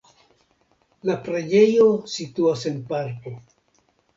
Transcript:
La preĝejo situas en parko.